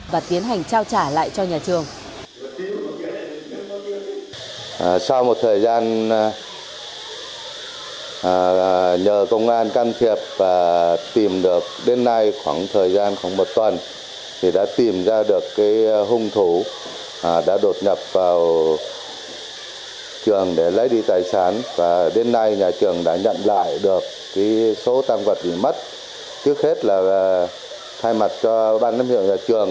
và tiến hành trao trả lại cho nhà trường